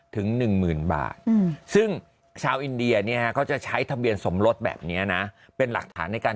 ถึง๑๐๐๐บาทซึ่งชาวอินเดียเนี่ยเขาจะใช้ทะเบียนสมรสแบบนี้นะเป็นหลักฐานในการ